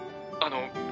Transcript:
あの。